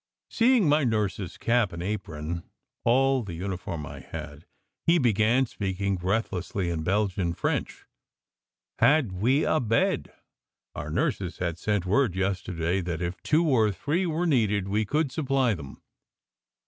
Seeing my nurse s cap and apron, all the uniform I had, he began speaking breathlessly in Belgian French. Had we a bed? Our nurses had sent word yesterday that if two or three were needed, we could supply them.